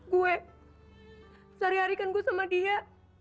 gue sehari hari kan gue sama dia